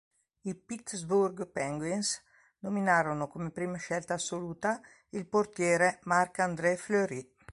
I Pittsburgh Penguins nominarono come prima scelta assoluta il portiere Marc-André Fleury.